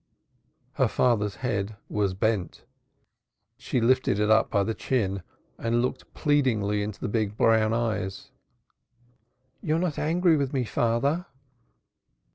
Her father's head was bent. She lifted it up by the chin and looked pleadingly into the big brown eyes. "Thou art not angry with me, father?"